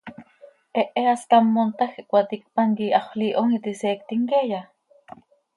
¿Hehe hascám montaj quih cöcaticpan quih Haxöl Iihom iti seectim queeya?